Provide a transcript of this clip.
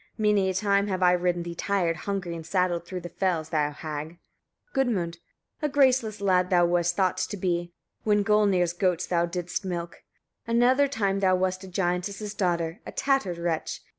Many a time have I ridden thee tired, hungry and saddled, through the fells, thou hag! Gudmund. 42. A graceless lad thou wast thought to be, when Gulnir's goats thou didst milk. Another time thou wast a giantess's daughter, a tattered wretch.